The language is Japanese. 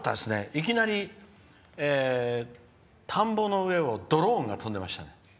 いきなり、田んぼの上をドローンが飛んでました。